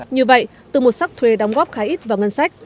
như vậy từ một sắc thuê đóng góp khá ít vào ngân sách